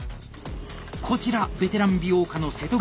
こちら「ベテラン美容家」の瀬戸口。